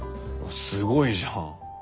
すごいじゃん。